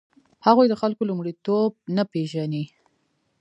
هغوی د خلکو لومړیتوب نه پېژني.